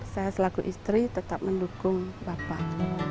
saya selaku istri tetap mendukung bapak